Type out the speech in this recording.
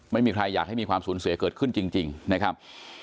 ไม่มีใครอยากให้มีความสูญเสียเกิดขึ้นจริงนะครับ